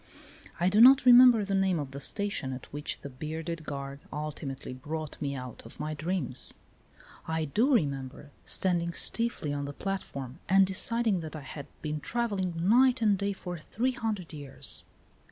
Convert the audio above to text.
I do not remember the name of the station at which the bearded guard ulti A RAILWAY JOURNEY 15 mately brought me out of my dreams. I do remember standing stiffly on the plat form and deciding that I had been travelling night and day for three hundred years.